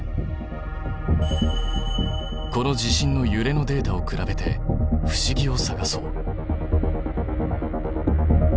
この地震のゆれのデータを比べて不思議を探そう。